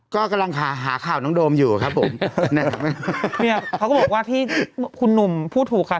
ก็กำลังหาหาข่าวน้องโดมอยู่ครับผมเนี่ยเขาก็บอกว่าที่คุณหนุ่มพูดถูกค่ะ